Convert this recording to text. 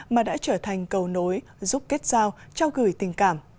mà đã trở thành cầu nối giúp kết giao trao gửi tình cảm